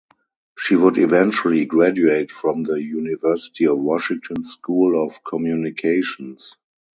She would eventually graduate from the University of Washington's School of Communications.